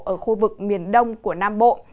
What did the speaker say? ở khu vực miền đông của nam bộ